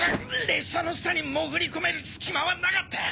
列車の下に潜り込める隙間はなかった！